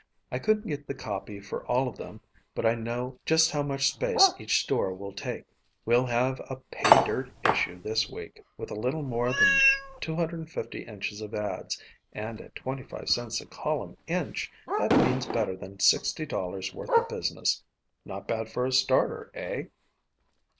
I couldn't get the copy for all of them but I know just how much space each store will take. We'll have a 'pay dirt' issue this week with a little more than 250 inches of ads and at 25 cents a column inch that means better than $60 worth of business. Not bad for a starter, eh?"